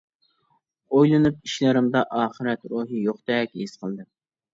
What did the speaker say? ئويلىنىپ ئىشلىرىمدا ئاخىرەت روھى يوقتەك ھېس قىلدىم.